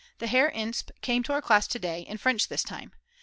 The Herr Insp. came to our class to day, in French this time.